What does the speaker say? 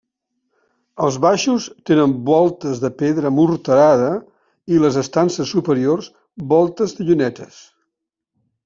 Els baixos tenen voltes de pedra morterada i les estances superiors voltes de llunetes.